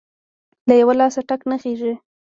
له يوه لاسه ټک نه خیژي!.